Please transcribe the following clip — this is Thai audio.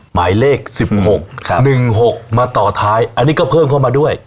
หมายเลขสิบหกครับหนึ่งหกมาต่อท้ายอันนี้ก็เพิ่มเข้ามาด้วย